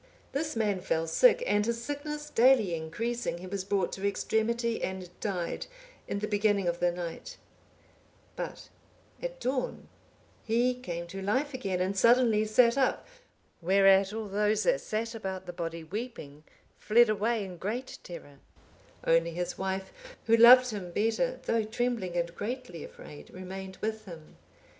This man fell sick, and his sickness daily increasing, he was brought to extremity, and died in the beginning of the night; but at dawn he came to life again, and suddenly sat up, whereat all those that sat about the body weeping fled away in great terror, only his wife, who loved him better, though trembling and greatly afraid, remained with him.